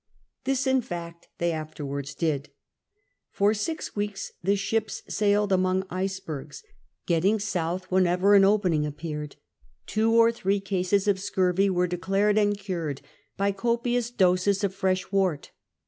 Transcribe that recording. This, in fact^ they afterwards did. For six weeks the ships sailed among icebergs, getting H CAPTAIN COOK CHAP. 98 south whenever an opening appeared. Two or three cases of scurvy were declared and cured by copious doses of fresh wort.